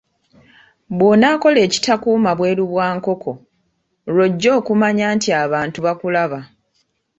Bw'onaakola ekitakuuma bweru bwa nkoko, lw'ojja okumanya nti abantu bakulaba.